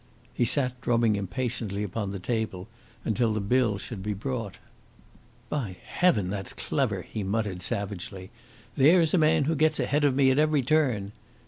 He sat drumming impatiently upon the table until the bill should be brought. "By Heaven, that's clever!" he muttered savagely. "There's a man who gets ahead of me at every turn.